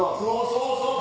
そうそう。